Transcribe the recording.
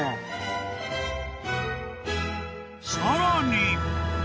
［さらに］